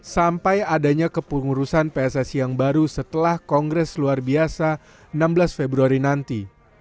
sampai adanya kepengurusan pssi yang baru setelah kongres luar biasa enam belas februari nanti